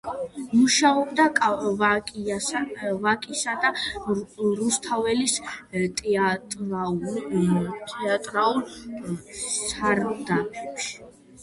მუშაობდა ვაკისა და რუსთაველის თეატრალურ სარდაფებში.